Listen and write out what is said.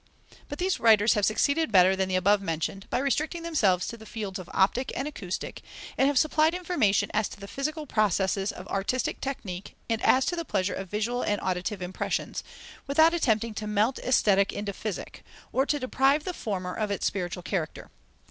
But these writers have succeeded better than the above mentioned, by restricting themselves to the fields of optic and acoustic, and have supplied information as to the physical processes of artistic technique and as to the pleasure of visual and auditive impressions, without attempting to melt Aesthetic into Physic, or to deprive the former of its spiritual character.